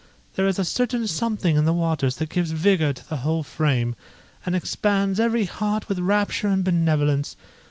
There is a certain something in the waters that gives vigour to the whole frame, and expands every heart with rapture and benevolence.